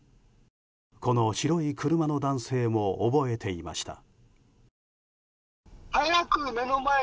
この白い車の男性も覚えていました。